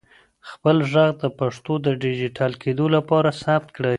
خپل ږغ د پښتو د ډیجیټل کېدو لپاره ثبت کړئ.